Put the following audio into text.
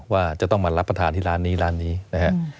ว่าจะต้องมารับประทานที่ร้านนี้ร้านนี้นะครับ